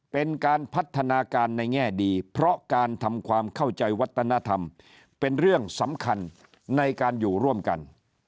เป็นการพัฒนาการในแง่ดีเพราะการทำความเข้าใจวัฒนธรรมเป็นเรื่องสำคัญในการอยู่ร่วมกัน